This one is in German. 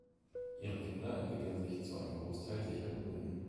Ihre Kinder entwickeln sich zu einem Großteil sicher gebunden.